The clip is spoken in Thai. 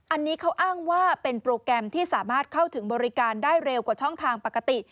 อันนี้เขาอ้างว่าเป็นโปรแกรมที่สามารถเข้าถึงบริการได้เร็วกว่าช่องทางปกติ